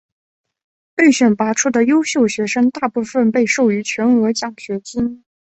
被选拔出的优秀学生大部分被授予全额奖学金。